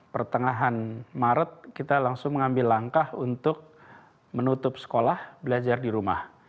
pertengahan maret kita langsung mengambil langkah untuk menutup sekolah belajar di rumah